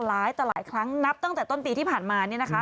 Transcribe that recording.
ร้ายแต่หลายครั้งนับตั้งแต่ต้นปีที่ผ่านมา